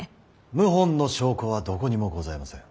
謀反の証拠はどこにもございません。